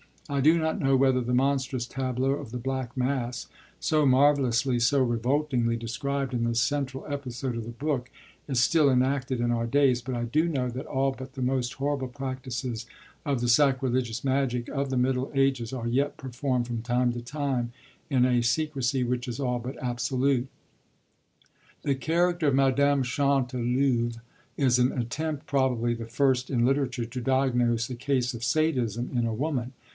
I do not know whether the monstrous tableau of the Black Mass so marvellously, so revoltingly described in the central episode of the book is still enacted in our days, but I do know that all but the most horrible practices of the sacrilegious magic of the Middle Ages are yet performed, from time to time, in a secrecy which is all but absolute. The character of Madame Chantelouve is an attempt, probably the first in literature, to diagnose a case of Sadism in a woman.